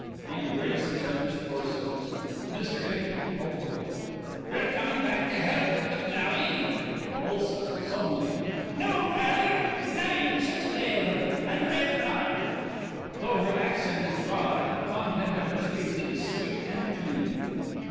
(They embrace each other's torsos.) MR. ICKY: (Hopefully) You've come back to help with the ploughing. ULSA: (Sullenly) No, feyther; ploughing's such a beyther. I'd reyther not. (_Though her accent is broad, the content of her speech is sweet and clean.